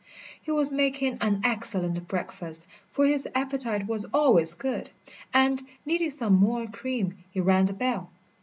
He was making an excellent breakfast, for his appetite was always good, and, needing some more cream, he rang the bell.